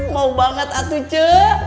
mau banget hatu ce